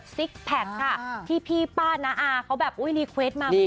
แซว